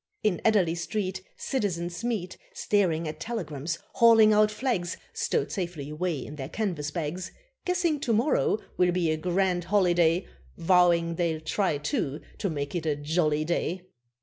In Adderley Street Citizens meet, Staring at telegrams, hauling out flags, Stowed safely away in their canvas bags, Guessing to morrow will be a grand holiday, Vowing they'll try, too, to make it a jolly day.